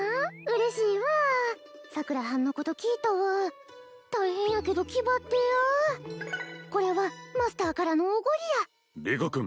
嬉しいわ桜はんのこと聞いたわ大変やけど気張ってやこれはマスターからのおごりやリコ君